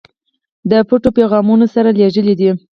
د پټو پیغامونو سره لېږلی دي.